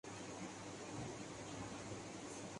آئندہ کا نقشہ محکمہ زراعت اورمنصفین کو مل بیٹھ کر بنانا چاہیے